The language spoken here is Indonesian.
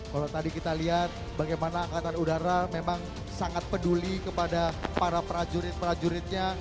kalau tadi kita lihat bagaimana angkatan udara memang sangat peduli kepada para prajurit prajuritnya